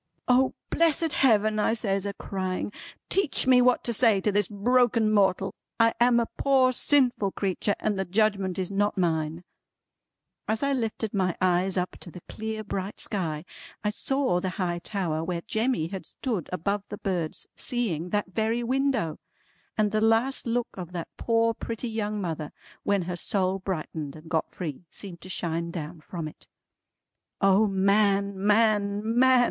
"O blessed Heaven," I says a crying, "teach me what to say to this broken mortal! I am a poor sinful creetur, and the Judgment is not mine." As I lifted my eyes up to the clear bright sky, I saw the high tower where Jemmy had stood above the birds, seeing that very window; and the last look of that poor pretty young mother when her soul brightened and got free, seemed to shine down from it. "O man, man, man!"